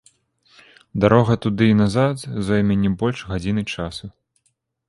Дарога туды і назад зойме не больш гадзіны часу.